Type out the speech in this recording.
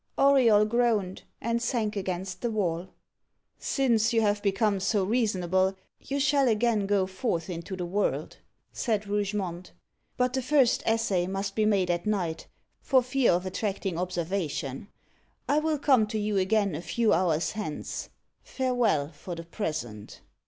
Auriol groaned, and sank against the wall. "Since you have become so reasonable, you shall again go forth into the world," said Rougemont; "but the first essay must be made at night, for fear of attracting observation. I will come to you again a few hours hence. Farewell for the present."